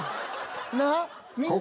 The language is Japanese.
なあ見て。